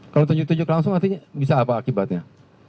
kalau tunjuk tunjuk langsung artinya bisa apa akibatnya